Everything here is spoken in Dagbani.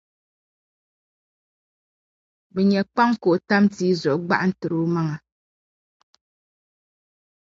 bɛ nya kpaŋ ka o tam tii zuɣu gbaɣitir’ omaŋa.